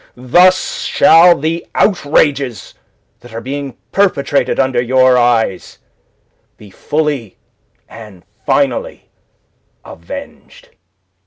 Thus shall the outrages that are being perpetrated under your eyes be fully and finally avenged."